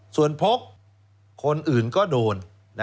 ส่วนพกคนอื่นก็โดน